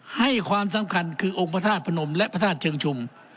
ให้ความสำคัญคือองค์พระธาตุพนมและพระธาตุเชิงชุม